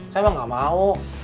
saya mah gak mau